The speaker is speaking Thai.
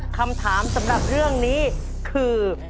คำถามสำหรับเรื่องนี้คือ